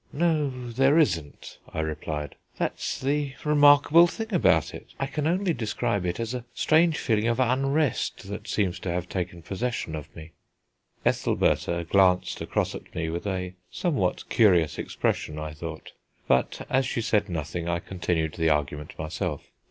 "No, there isn't," I replied; "that's the remarkable thing about it; I can only describe it as a strange feeling of unrest that seems to have taken possession of me." Ethelbertha glanced across at me with a somewhat curious expression, I thought; but as she said nothing, I continued the argument myself.